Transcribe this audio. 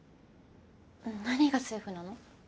何がセーフなの？